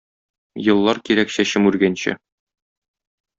Еллар кирәк чәчем үргәнче.